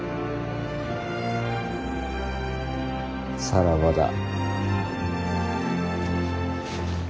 さらばだ。